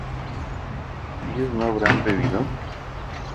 ¿ellos no habrán bebido?